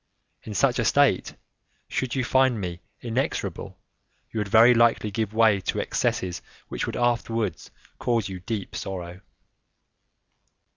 In such a state, should you find me inexorable, you would very likely give way to excesses which would afterwards cause you deep sorrow."